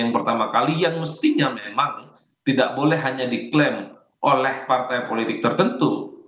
yang pertama kali yang mestinya memang tidak boleh hanya diklaim oleh partai politik tertentu